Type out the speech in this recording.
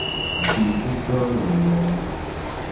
Denyigbalolo.